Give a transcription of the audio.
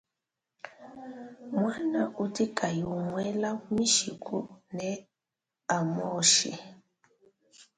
Muana udi kayi umuela mishiku neamuoshe.